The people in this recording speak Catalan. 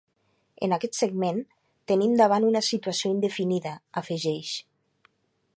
En aquest segment, tenim davant una situació indefinida, afegeix.